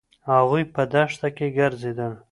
هغوی په دښته کې ګرځېدل.